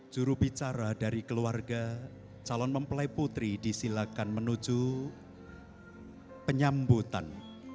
jurubicara dari keluarga calon mempelai putri disilakan menuju penyambutan